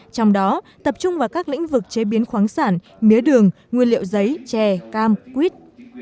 trong đó tập trung vào các lĩnh vực chế biến khoáng sản mía đường nguyên liệu giấy chè cam quýt